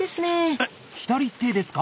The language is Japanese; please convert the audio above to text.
え左手ですか？